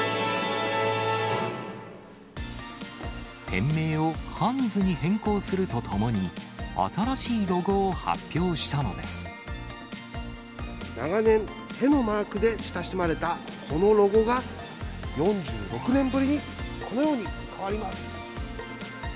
店名をハンズに変更するとともに、長年、手のマークで親しまれたこのロゴが、４６年ぶりに、このように変わります。